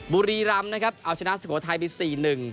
บุรีรัมนะครับเอาชนะสโกไทยไป๔๑